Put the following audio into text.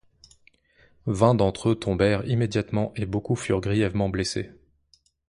Vingt d'entre eux tombèrent immédiatement, et beaucoup furent grièvement blessés.